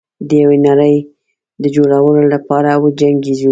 د یوې نړۍ د جوړولو لپاره وجنګیږو.